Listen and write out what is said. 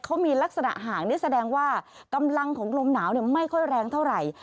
เขามีลักษณะห่างนี่แสดงว่ากำลังของลมหนาวไม่ค่อยแรงเท่าไหร่